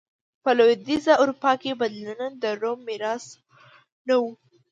په لوېدیځه اروپا کې بدلونونه د روم میراث نه و.